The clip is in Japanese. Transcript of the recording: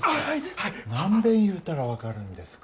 はい何べん言うたら分かるんですか？